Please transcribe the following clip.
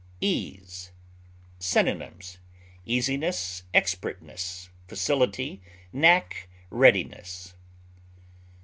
EASE. Synonyms: easiness, expertness, facility, knack, readiness.